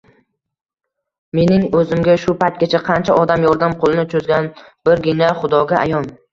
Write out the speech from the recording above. Mening oʻzimga shu paytgacha qancha odam yordam qoʻlini choʻzganbirgina Xudoga ayon